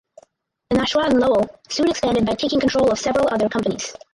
The Nashua and Lowell soon expanded by taking control of several other companies.